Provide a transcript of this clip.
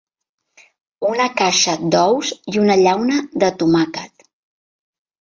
Una caixa d'ous i una llauna de tomàquet.